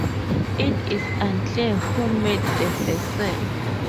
It is unclear who made the vessel.